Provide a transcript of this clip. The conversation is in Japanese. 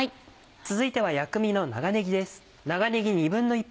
続いては薬味の長ねぎです。